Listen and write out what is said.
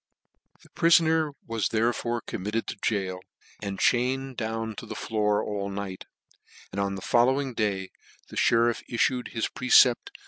The prifoner was, therefore, committed to gaol, and chained down to the floor all night; and on the following cay the merirTiiTued his precept for VOL.